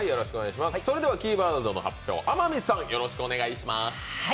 それではキーワードの発表を天海さん、お願いします。